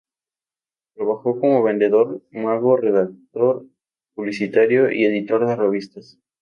Trabajó como vendedor, mago, redactor publicitario y editor de revistas.